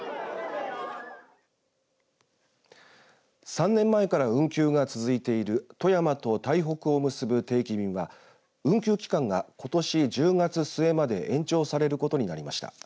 ３年前から運休が続いている富山と台北を結ぶ定期便は運休期間がことし１０月末まで延長されることになりました。